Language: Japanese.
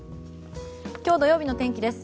今日、土曜日の天気です。